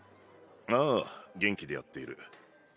ああ元気でやっている。